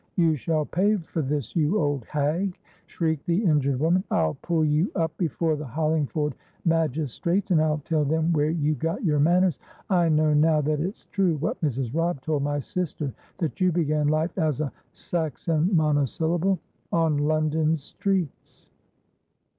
"You shall pay for this, you old hag," shrieked the injured woman. "I'll pull you up before the Hollingford magistrates, and I'll tell them where you got your manners. I know now that it's true, what Mrs. Robb told my sister, that you began life as a"Saxon monosyllable"on London streets!"